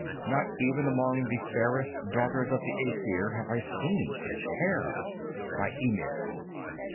Not even among the fairest daughters of the Aesir have I seen such hair, by Ymir!"